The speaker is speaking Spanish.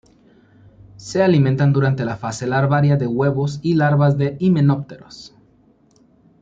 Se alimentan durante la fase larvaria de huevos y larvas de himenópteros.